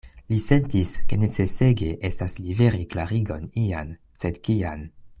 Li sentis, ke necesege estas liveri klarigon ian; sed kian?